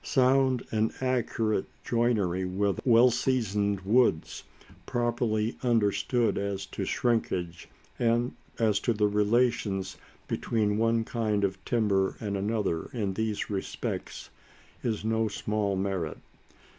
Sound and accurate joinery with well seasoned woods, properly understood as to shrinkage and as to the relations between one kind of timber and another in these respects, is no small merit.